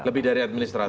lebih dari administrasi